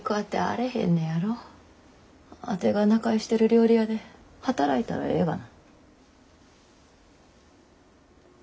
あてが仲居してる料理屋で働いたらええがな。